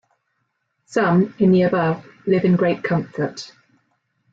Some - in the Above - live in great comfort.